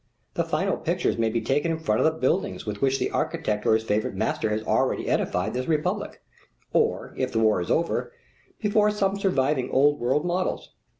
The final pictures may be taken in front of buildings with which the architect or his favorite master has already edified this republic, or if the war is over, before some surviving old world models.